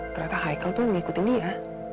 ternyata hicle tuh ngikutin dia